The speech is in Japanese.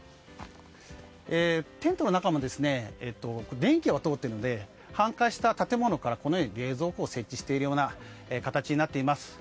テントの中も電気は通っているので半壊した建物から冷蔵庫を設置している状態となっています。